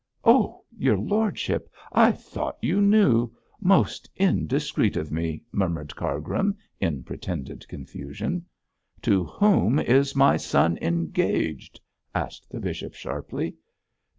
'Oh, your lordship! I thought you knew most indiscreet of me,' murmured Cargrim, in pretended confusion. 'To whom is my son engaged?' asked the bishop, sharply.